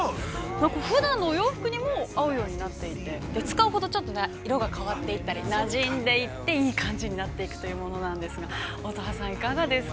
ふだんのお洋服にも合うようになっていて、使うほどちょっと色が変わっていったりなじんでいい感じになっていくというものなんですが、乙葉さん、いかがですか。